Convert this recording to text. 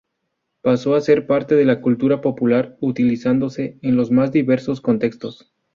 Pasó a ser parte de la cultura popular, utilizándose en los más diversos contextos.